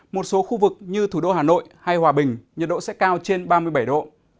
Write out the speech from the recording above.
một số khu vực như thủ đô hà nội hay hòa bình nhiệt độ sẽ cao trên ba mươi bảy độ